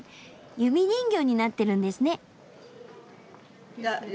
指人形になってるんですね。